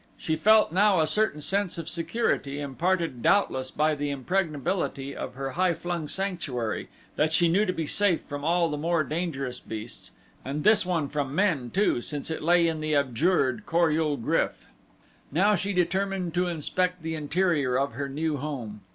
She felt now a certain sense of security imparted doubtless by the impregnability of her high flung sanctuary that she knew to be safe from all the more dangerous beasts, and this one from men, too, since it lay in the abjured Kor ul GRYF. Now she determined to inspect the interior of her new home.